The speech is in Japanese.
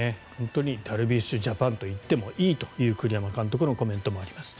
ダルビッシュジャパンと言ってもいいという栗山監督のコメントもあります。